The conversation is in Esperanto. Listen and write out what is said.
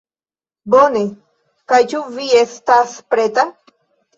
Bone. Kaj ĉu vi estas preta?